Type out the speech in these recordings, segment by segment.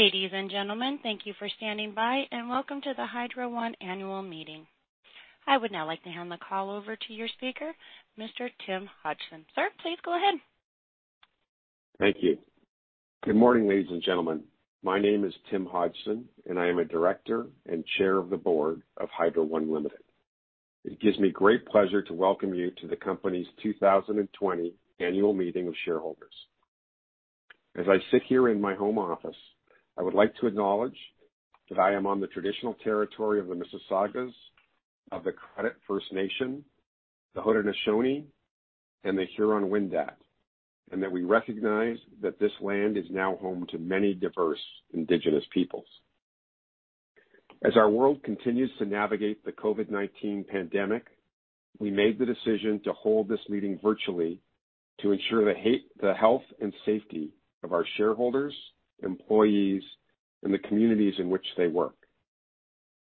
Ladies and gentlemen, thank you for standing by, and welcome to the Hydro One Annual Meeting. I would now like to hand the call over to your speaker, Mr. Tim Hodgson. Sir, please go ahead. Thank you. Good morning, ladies and gentlemen. My name is Tim Hodgson, and I am a Director and Chair of the Board of Hydro One Limited. It gives me great pleasure to welcome you to the company's 2020 Annual Meeting of Shareholders. As I sit here in my home office, I would like to acknowledge that I am on the traditional territory of the Mississaugas of the Credit First Nation, the Haudenosaunee, and the Huron-Wendat, and that we recognize that this land is now home to many diverse indigenous peoples. As our world continues to navigate the COVID-19 pandemic, we made the decision to hold this meeting virtually to ensure the health and safety of our shareholders, employees, and the communities in which they work.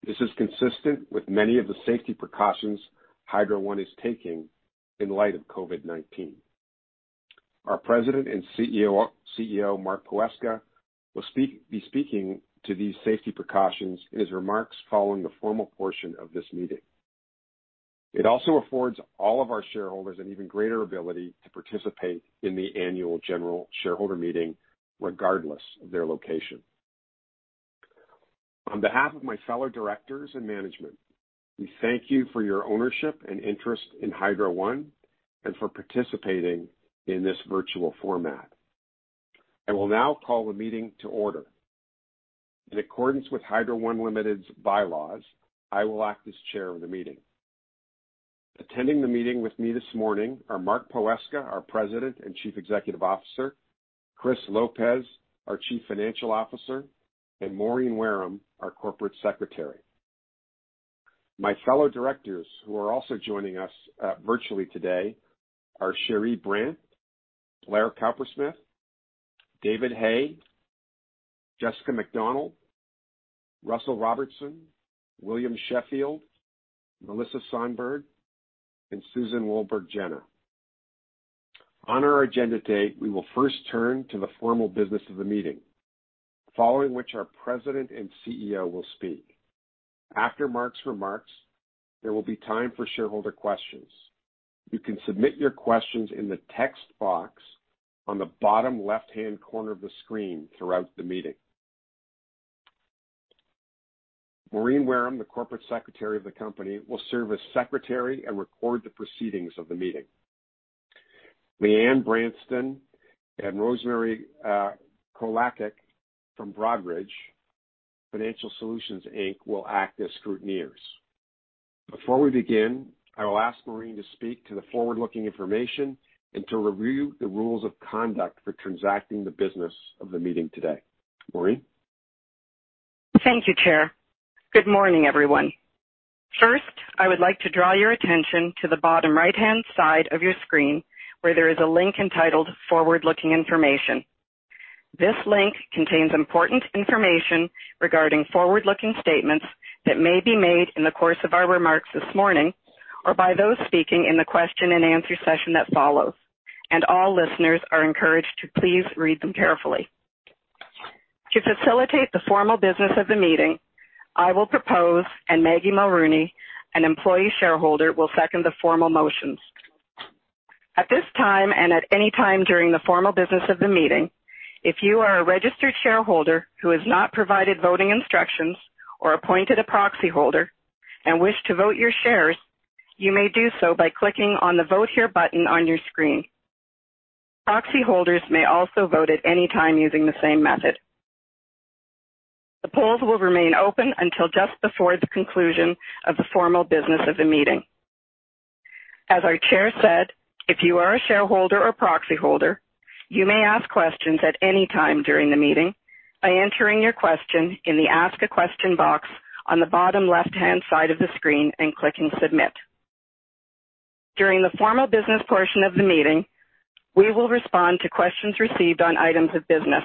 This is consistent with many of the safety precautions Hydro One is taking in light of COVID-19. Our President and CEO, Mark Poweska, will be speaking to these safety precautions in his remarks following the formal portion of this meeting. It also affords all of our shareholders an even greater ability to participate in the annual general shareholder meeting, regardless of their location. On behalf of my fellow directors and management, we thank you for your ownership and interest in Hydro One and for participating in this virtual format. I will now call the meeting to order. In accordance with Hydro One Limited's bylaws, I will act as Chair of the meeting. Attending the meeting with me this morning are Mark Poweska, our President and Chief Executive Officer, Chris Lopez, our Chief Financial Officer, and Maureen Wareham, our Corporate Secretary. My fellow directors, who are also joining us virtually today are Cherie Brant, Blair Cowper-Smith, David Hay, Jessica McDonald, Russel Robertson, William Sheffield, Melissa Sonberg, and Susan Wolburgh Jenah. On our agenda today, we will first turn to the formal business of the meeting, following which our President and CEO will speak. After Mark's remarks, there will be time for shareholder questions. You can submit your questions in the text box on the bottom left-hand corner of the screen throughout the meeting. Maureen Wareham, the Corporate Secretary of the company, will serve as secretary and record the proceedings of the meeting. Leanne Branston and Rosemary Kolakich from Broadridge Financial Solutions, Inc will act as scrutineers. Before we begin, I will ask Maureen to speak to the forward-looking information and to review the rules of conduct for transacting the business of the meeting today. Maureen? Thank you, Chair. Good morning, everyone. First, I would like to draw your attention to the bottom right-hand side of your screen, where there is a link entitled Forward-looking Information. This link contains important information regarding forward-looking statements that may be made in the course of our remarks this morning or by those speaking in the question-and-answer session that follows. All listeners are encouraged to please read them carefully. To facilitate the formal business of the meeting, I will propose, and Maggie Mulroney, an employee shareholder, will second the formal motions. At this time, and at any time during the formal business of the meeting, if you are a registered shareholder who has not provided voting instructions or appointed a proxy holder and wish to vote your shares, you may do so by clicking on the Vote Here button on your screen. Proxy holders may also vote at any time using the same method. The polls will remain open until just before the conclusion of the formal business of the meeting. As our Chair said, if you are a shareholder or proxy holder, you may ask questions at any time during the meeting by entering your question in the Ask a Question box on the bottom left-hand side of the screen and clicking Submit. During the formal business portion of the meeting, we will respond to questions received on items of business.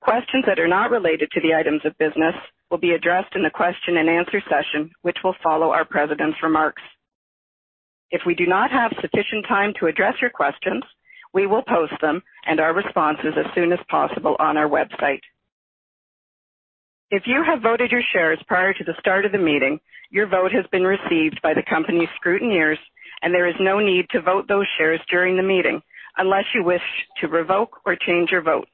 Questions that are not related to the items of business will be addressed in the question-and-answer session, which will follow our President's remarks. If we do not have sufficient time to address your questions, we will post them and our responses as soon as possible on our website. If you have voted your shares prior to the start of the meeting, your vote has been received by the company scrutineers, and there is no need to vote those shares during the meeting unless you wish to revoke or change your vote.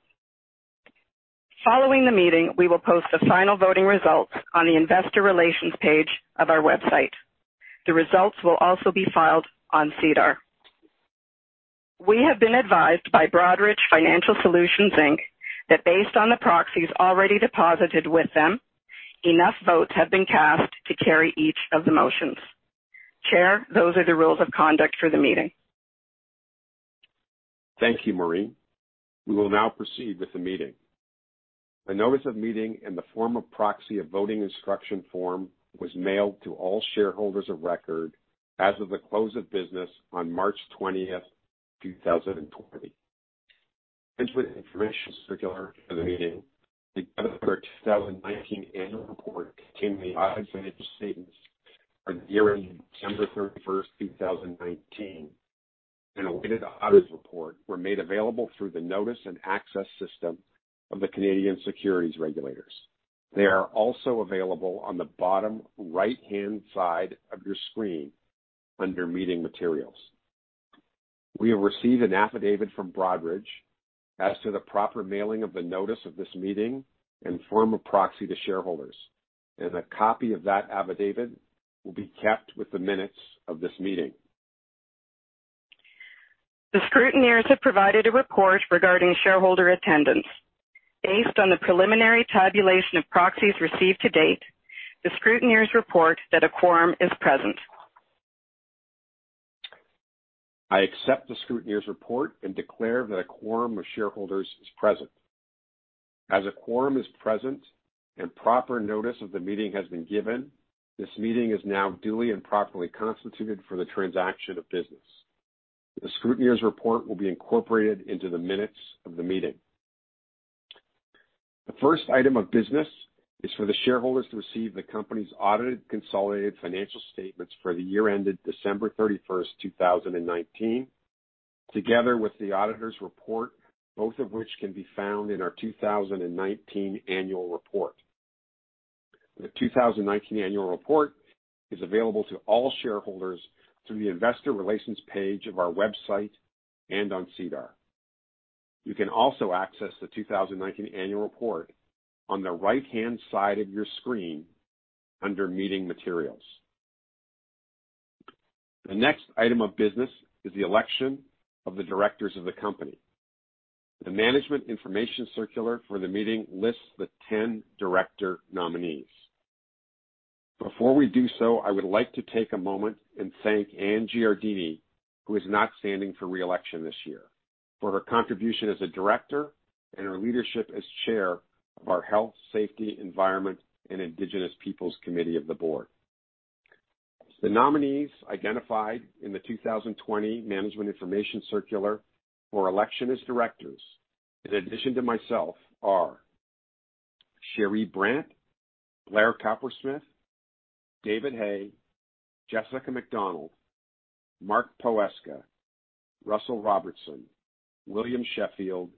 Following the meeting, we will post the final voting results on the investor relations page of our website. The results will also be filed on SEDAR. We have been advised by Broadridge Financial Solutions Inc that based on the proxies already deposited with them, enough votes have been cast to carry each of the motions. Chair, those are the rules of conduct for the meeting. Thank you, Maureen. We will now proceed with the meeting. A notice of meeting in the form of proxy, a voting instruction form, was mailed to all shareholders of record as of the close of business on March 20th, 2020. Circular for the meeting, the 2019 annual report and the audited financial statements for the year-end December 31st, 2019 and audited auditor's report were made available through the notice and access system of the Canadian securities regulators. They are also available on the bottom right-hand side of your screen under meeting materials. We have received an affidavit from Broadridge as to the proper mailing of the notice of this meeting and form of proxy to shareholders, and a copy of that affidavit will be kept with the minutes of this meeting. The scrutineers have provided a report regarding shareholder attendance. Based on the preliminary tabulation of proxies received to date, the scrutineers report that a quorum is present. I accept the scrutineers' report and declare that a quorum of shareholders is present. As a quorum is present and proper notice of the meeting has been given, this meeting is now duly and properly constituted for the transaction of business. The scrutineers' report will be incorporated into the minutes of the meeting. The first item of business is for the shareholders to receive the company's audited consolidated financial statements for the year ended December 31st, 2019, together with the auditor's report, both of which can be found in our 2019 annual report. The 2019 annual report is available to all shareholders through the investor relations page of our website and on SEDAR. You can also access the 2019 annual report on the right-hand side of your screen under meeting materials. The next item of business is the election of the directors of the company. The management information circular for the meeting lists the 10 director nominees. Before we do so, I would like to take a moment and thank Anne Giardini, who is not standing for re-election this year, for her contribution as a director and her leadership as chair of our Health, Safety, Environment and Indigenous Peoples Committee of the Board. The nominees identified in the 2020 management information circular for election as directors, in ad dition to myself, are Cherie Brant, Blair Cowper-Smith, David Hay, Jessica McDonald, Mark Poweska, Russel Robertson, William Sheffield,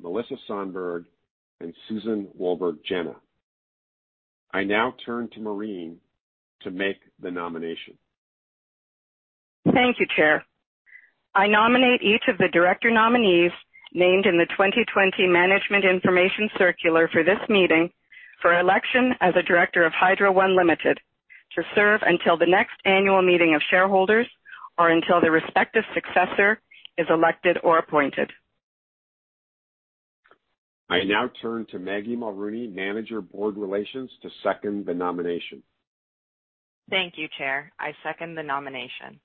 Melissa Sonberg, and Susan Wolburgh Jenah. I now turn to Maureen to make the nomination. Thank you, Chair. I nominate each of the director nominees named in the 2020 management information circular for this meeting for election as a director of Hydro One Limited to serve until the next annual meeting of shareholders or until their respective successor is elected or appointed. I now turn to Maggie Mulroney, Manager of Board Relations, to second the nomination. Thank you, Chair. I second the nomination.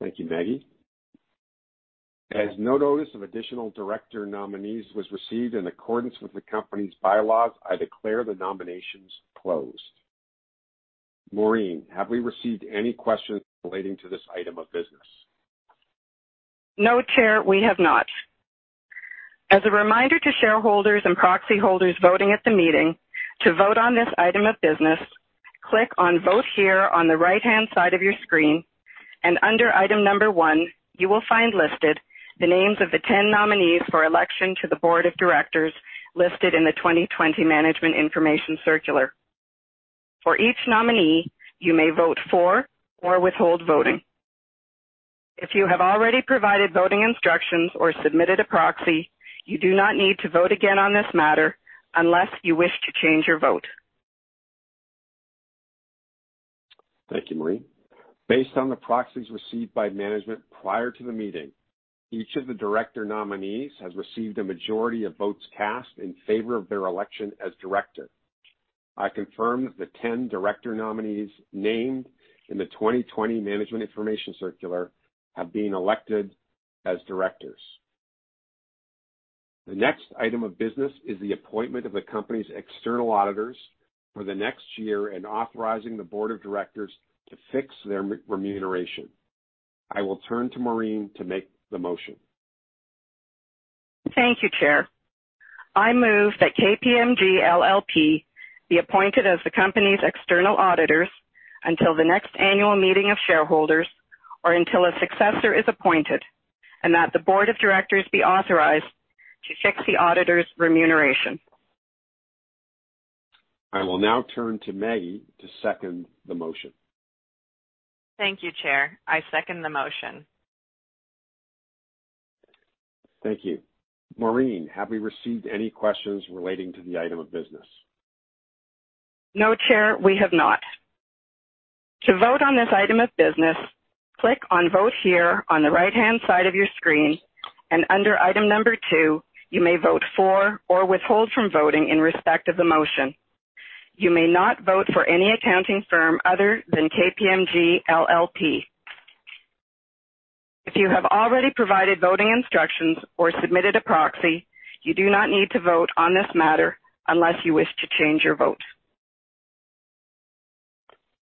Thank you, Maggie. As no notice of additional director nominees was received in accordance with the company's bylaws, I declare the nominations closed. Maureen, have we received any questions relating to this item of business? No, Chair, we have not. As a reminder to shareholders and proxy holders voting at the meeting, to vote on this item of business, click on Vote Here on the right-hand side of your screen, under item number one, you will find listed the names of the 10 nominees for election to the Board of Directors listed in the 2020 management information circular. For each nominee, you may vote for or withhold voting. If you have already provided voting instructions or submitted a proxy, you do not need to vote again on this matter unless you wish to change your vote. Thank you, Maureen. Based on the proxies received by management prior to the meeting, each of the director nominees has received a majority of votes cast in favor of their election as director. I confirm that the 10 director nominees named in the 2020 management information circular have been elected as directors. The next item of business is the appointment of the company's external auditors for the next year and authorizing the Board of Directors to fix their remuneration. I will turn to Maureen to make the motion. Thank you, Chair. I move that KPMG LLP be appointed as the company's external auditors until the next annual meeting of shareholders or until a successor is appointed, and that the Board of Directors be authorized to fix the auditor's remuneration. I will now turn to Maggie to second the motion. Thank you, Chair. I second the motion. Thank you. Maureen, have we received any questions relating to the item of business? No, Chair, we have not. To vote on this item of business, click on Vote Here on the right-hand side of your screen, and under item number two, you may vote for or withhold from voting in respect of the motion. You may not vote for any accounting firm other than KPMG LLP. If you have already provided voting instructions or submitted a proxy, you do not need to vote on this matter unless you wish to change your vote.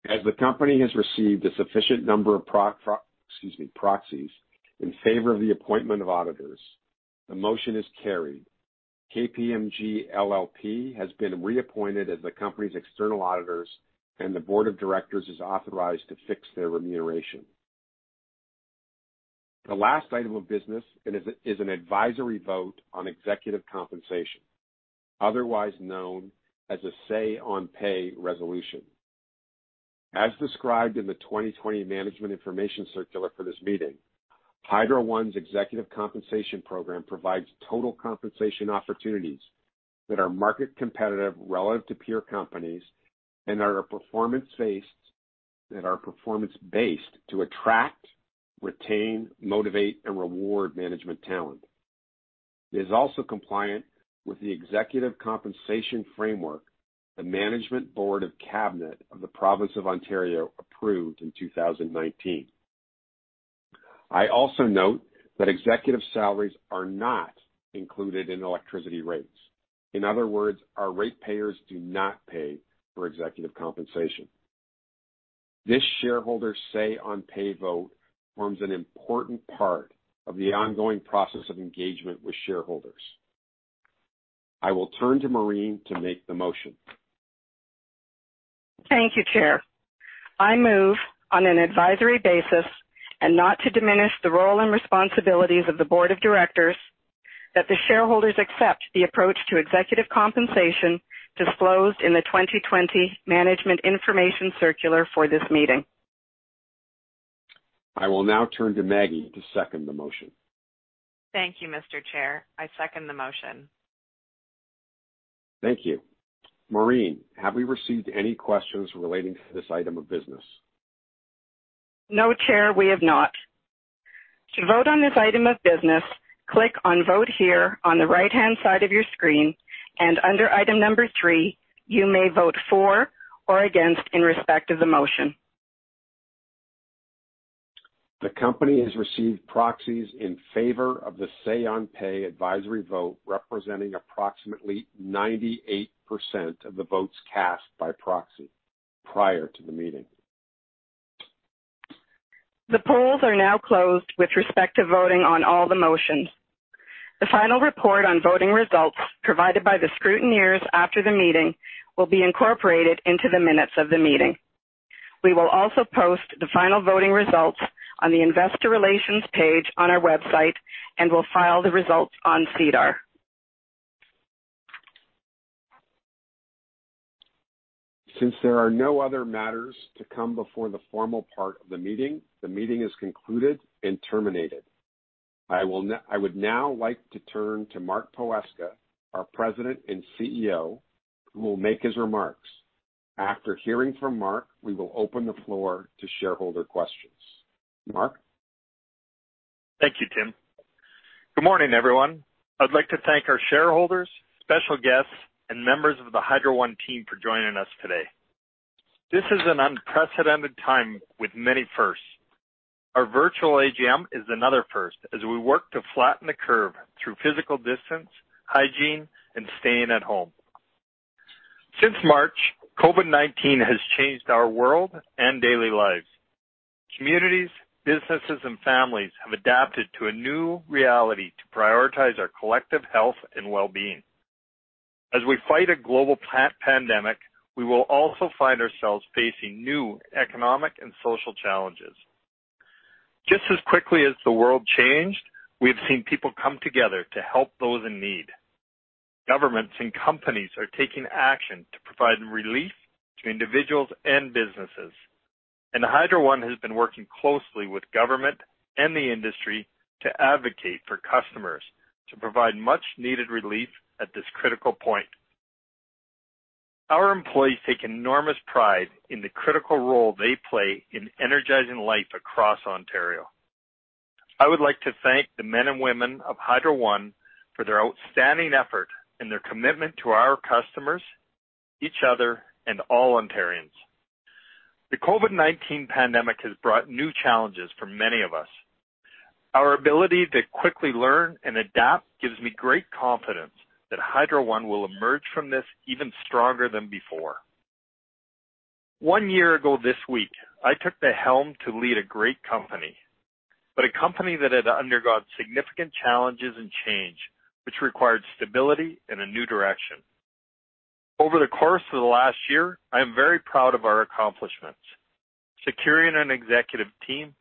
As the company has received a sufficient number of proxies in favor of the appointment of auditors, the motion is carried. KPMG LLP has been reappointed as the company's external auditors, and the Board of Directors is authorized to fix their remuneration. The last item of business is an advisory vote on executive compensation, otherwise known as a say-on-pay resolution. As described in the 2020 Management Information Circular for this meeting, Hydro One's executive compensation program provides total compensation opportunities that are market competitive relative to peer companies and are performance-based to attract, retain, motivate, and reward management talent. It is also compliant with the executive compensation framework the Management Board of Cabinet of the Province of Ontario approved in 2019. I also note that executive salaries are not included in electricity rates. In other words, our ratepayers do not pay for executive compensation. This shareholder's say-on-pay vote forms an important part of the ongoing process of engagement with shareholders. I will turn to Maureen to make the motion. Thank you, Chair. I move on an advisory basis and not to diminish the role and responsibilities of the Board of Directors that the shareholders accept the approach to executive compensation disclosed in the 2020 Management Information Circular for this meeting. I will now turn to Maggie to second the motion. Thank you, Mr. Chair. I second the motion. Thank you. Maureen, have we received any questions relating to this item of business? No, Chair, we have not. To vote on this item of business, click on Vote Here on the right-hand side of your screen, and under item number three, you may vote for or against in respect of the motion. The company has received proxies in favor of the say-on-pay advisory vote, representing approximately 98% of the votes cast by proxy prior to the meeting. The polls are now closed with respect to voting on all the motions. The final report on voting results provided by the scrutineers after the meeting will be incorporated into the minutes of the meeting. We will also post the final voting results on the investor relations page on our website and will file the results on SEDAR. Since there are no other matters to come before the formal part of the meeting, the meeting is concluded and terminated. I would now like to turn to Mark Poweska, our President and CEO, who will make his remarks. After hearing from Mark, we will open the floor to shareholder questions. Mark? Thank you, Tim. Good morning, everyone. I'd like to thank our shareholders, special guests, and members of the Hydro One team for joining us today. This is an unprecedented time with many firsts. Our virtual AGM is another first as we work to flatten the curve through physical distance, hygiene, and staying at home. Since March, COVID-19 has changed our world and daily lives. Communities, businesses, and families have adapted to a new reality to prioritize our collective health and wellbeing. As we fight a global pandemic, we will also find ourselves facing new economic and social challenges. Just as quickly as the world changed, we've seen people come together to help those in need. Governments and companies are taking action to provide relief to individuals and businesses. Hydro One has been working closely with government and the industry to advocate for customers to provide much-needed relief at this critical point. Our employees take enormous pride in the critical role they play in energizing life across Ontario. I would like to thank the men and women of Hydro One for their outstanding effort and their commitment to our customers, each other, and all Ontarians. The COVID-19 pandemic has brought new challenges for many of us. Our ability to quickly learn and adapt gives me great confidence that Hydro One will emerge from this even stronger than before. One year ago this week, I took the helm to lead a great company, but a company that had undergone significant challenges and change, which required stability and a new direction. Over the course of the last year, I am very proud of our accomplishments: securing an executive team,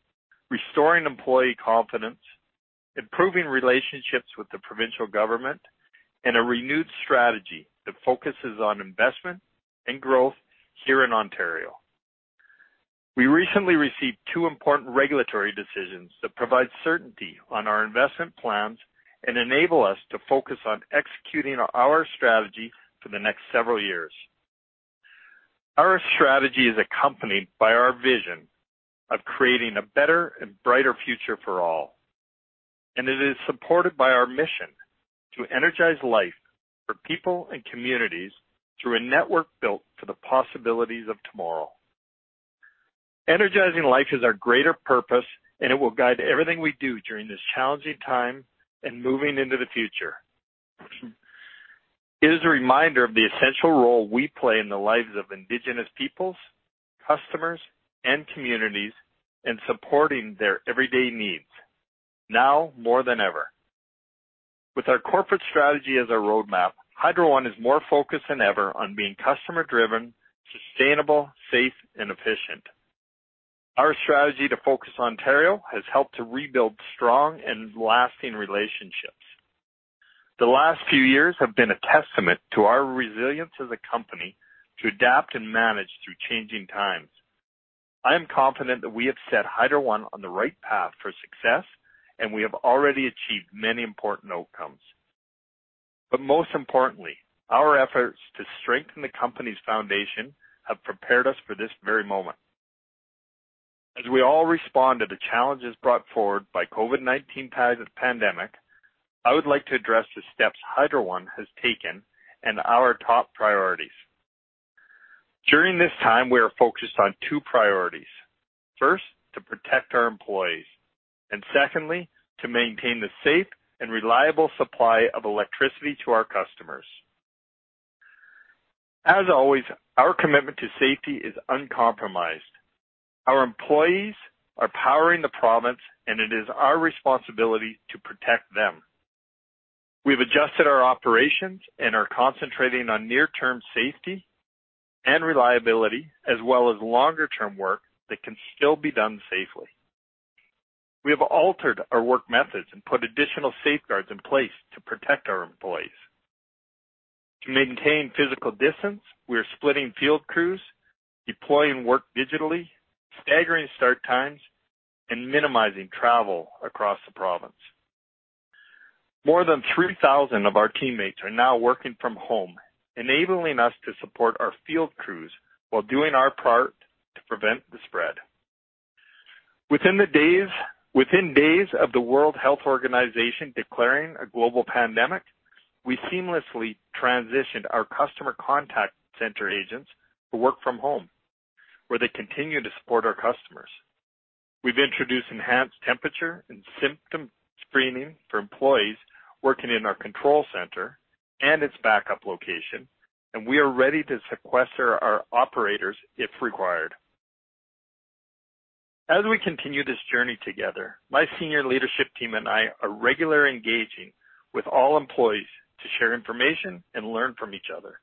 restoring employee confidence, improving relationships with the provincial government, and a renewed strategy that focuses on investment and growth here in Ontario. We recently received two important regulatory decisions that provide certainty on our investment plans and enable us to focus on executing our strategy for the next several years. Our strategy is accompanied by our vision of creating a better and brighter future for all, and it is supported by our mission to energize life for people and communities through a network built for the possibilities of tomorrow. Energizing life is our greater purpose, and it will guide everything we do during this challenging time and moving into the future. It is a reminder of the essential role we play in the lives of Indigenous Peoples, customers, and communities in supporting their everyday needs, now more than ever. With our corporate strategy as our roadmap, Hydro One is more focused than ever on being customer-driven, sustainable, safe, and efficient. Our strategy to focus on Ontario has helped to rebuild strong and lasting relationships. The last few years have been a testament to our resilience as a company to adapt and manage through changing times. I am confident that we have set Hydro One on the right path for success, and we have already achieved many important outcomes. Most importantly, our efforts to strengthen the company's foundation have prepared us for this very moment. As we all respond to the challenges brought forward by COVID-19 pandemic, I would like to address the steps Hydro One has taken and our top priorities. During this time, we are focused on two priorities. First, to protect our employees, and secondly, to maintain the safe and reliable supply of electricity to our customers. As always, our commitment to safety is uncompromised. Our employees are powering the province, and it is our responsibility to protect them. We've adjusted our operations and are concentrating on near-term safety and reliability as well as longer-term work that can still be done safely. We have altered our work methods and put additional safeguards in place to protect our employees. To maintain physical distance, we are splitting field crews, deploying work digitally, staggering start times, and minimizing travel across the province. More than 3,000 of our teammates are now working from home, enabling us to support our field crews while doing our part to prevent the spread. Within days of the World Health Organization declaring a global pandemic, we seamlessly transitioned our customer contact center agents to work from home, where they continue to support our customers. We've introduced enhanced temperature and symptom screening for employees working in our control center and its backup location, and we are ready to sequester our operators if required. As we continue this journey together, my senior leadership team and I are regularly engaging with all employees to share information and learn from each other.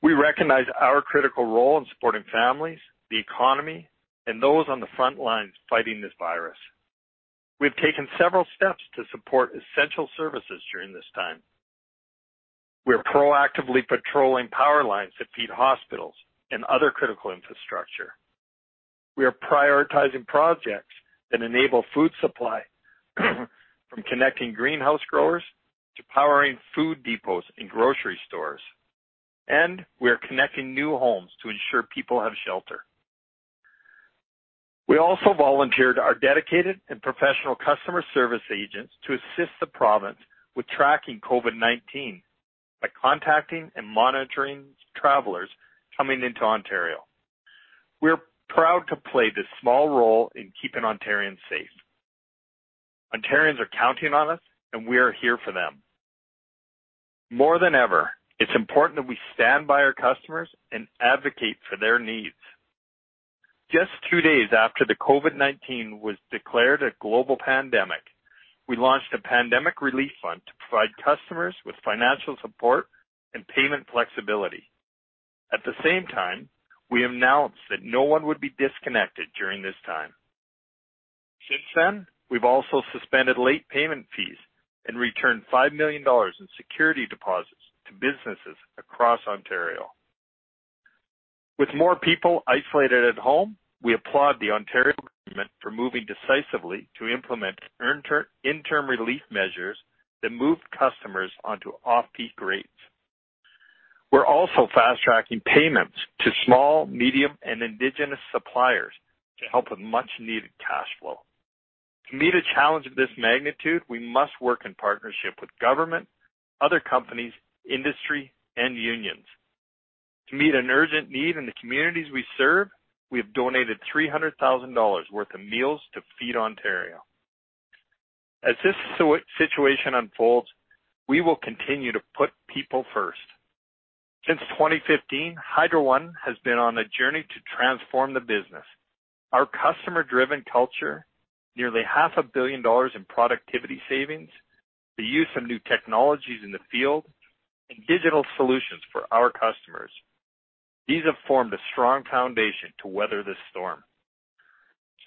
We recognize our critical role in supporting families, the economy, and those on the front lines fighting this virus. We have taken several steps to support essential services during this time. We are proactively patrolling power lines that feed hospitals and other critical infrastructure. We are prioritizing projects that enable food supply, from connecting greenhouse growers to powering food depots and grocery stores, and we are connecting new homes to ensure people have shelter. We also volunteered our dedicated and professional customer service agents to assist the province with tracking COVID-19 by contacting and monitoring travelers coming into Ontario. We are proud to play this small role in keeping Ontarians safe. Ontarians are counting on us, and we are here for them. More than ever, it's important that we stand by our customers and advocate for their needs. Just two days after the COVID-19 was declared a global pandemic, we launched a pandemic relief fund to provide customers with financial support and payment flexibility. At the same time, we announced that no one would be disconnected during this time. Since then, we've also suspended late payment fees and returned 5 million dollars in security deposits to businesses across Ontario. With more people isolated at home, we applaud the Ontario government for moving decisively to implement interim relief measures that move customers onto off-peak rates. We're also fast-tracking payments to small, medium, and indigenous suppliers to help with much-needed cash flow. To meet a challenge of this magnitude, we must work in partnership with government, other companies, industry, and unions. To meet an urgent need in the communities we serve, we have donated 300,000 dollars worth of meals to Feed Ontario. As this situation unfolds, we will continue to put people first. Since 2015, Hydro One has been on a journey to transform the business. Our customer-driven culture, nearly $500 million in productivity savings, the use of new technologies in the field, and digital solutions for our customers. These have formed a strong foundation to weather this storm.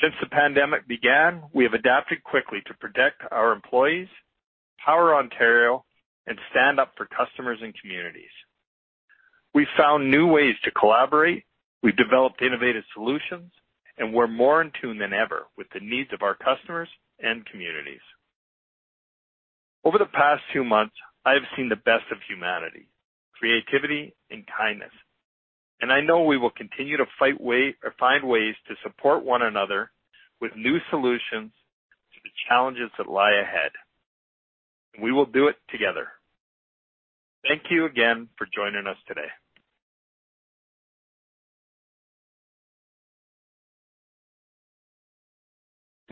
Since the pandemic began, we have adapted quickly to protect our employees, power Ontario, and stand up for customers and communities. We found new ways to collaborate, we developed innovative solutions, and we're more in tune than ever with the needs of our customers and communities. Over the past two months, I have seen the best of humanity, creativity and kindness. I know we will continue to find ways to support one another with new solutions to the challenges that lie ahead. We will do it together. Thank you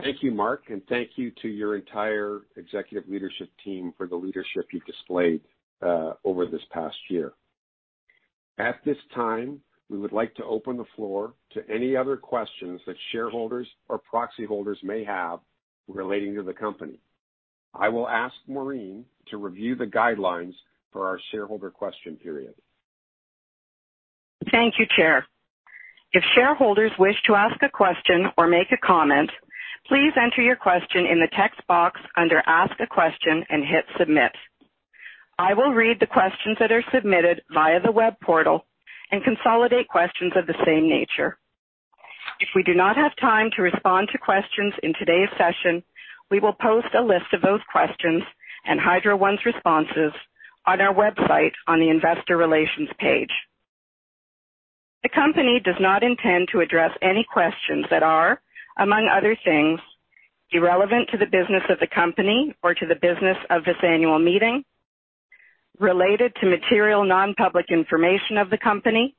again for joining us today. Thank you, Mark, and thank you to your entire executive leadership team for the leadership you've displayed over this past year. At this time, we would like to open the floor to any other questions that shareholders or proxy holders may have relating to the company. I will ask Maureen to review the guidelines for our shareholder question period. Thank you, Chair. If shareholders wish to ask a question or make a comment, please enter your question in the text box under Ask a Question and hit Submit. I will read the questions that are submitted via the web portal and consolidate questions of the same nature. If we do not have time to respond to questions in today's session, we will post a list of those questions and Hydro One's responses on our website on the investor relations page. The company does not intend to address any questions that are, among other things, irrelevant to the business of the company or to the business of this annual meeting, related to material non-public information of the company,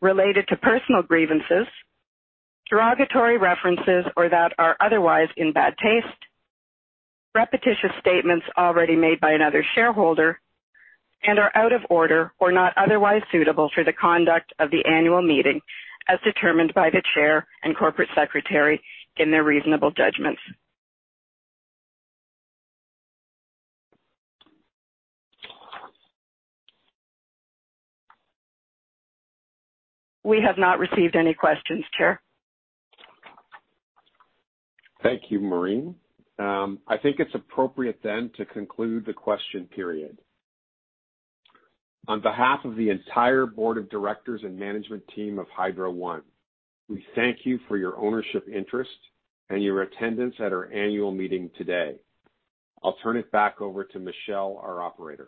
related to personal grievances, derogatory references or that are otherwise in bad taste, repetitious statements already made by another shareholder, and are out of order or not otherwise suitable for the conduct of the annual meeting, as determined by the Chair and Corporate Secretary in their reasonable judgments. We have not received any questions, Chair. Thank you, Maureen. I think it's appropriate then to conclude the question period. On behalf of the entire Board of Directors and management team of Hydro One, we thank you for your ownership interest and your attendance at our annual meeting today. I'll turn it back over to Michelle, our operator.